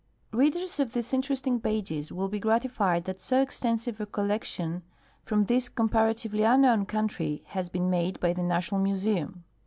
Readers of these interesting pages will be gratified that so extensive a, collection from this comparatively unknown country has been made by the National IMuseum.